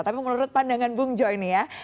tapi menurut pandangan bung joy ini ya